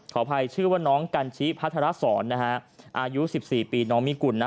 ขออภัยชื่อว่าน้องกันชิพัทรสรนะฮะอายุ๑๔ปีน้องมิกุลนะ